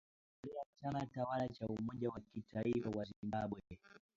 Kwa kukipendelea chama tawala cha Umoja wa kitaifa wa Zimbabwe.